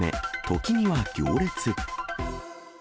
時には行列。